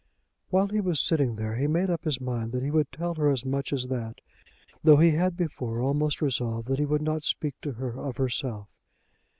While he was sitting there he made up his mind that he would tell her as much as that, though he had before almost resolved that he would not speak to her of herself.